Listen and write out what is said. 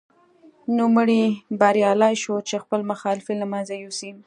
نوموړی بریالی شو چې خپل مخالفین له منځه یوسي.